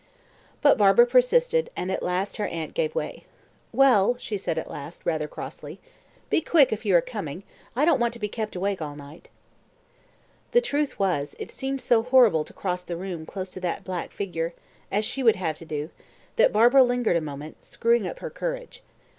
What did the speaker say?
But Barbara persisted, and at last her aunt gave way. "Well," she said at last, rather crossly, "be quick if you are coming. I don't want to be kept awake all night." The truth was, it seemed so horrible to cross the room close to that black figure as she would have to do that Barbara lingered a moment, screwing up her courage.